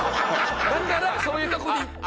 だからそういうとこに行って。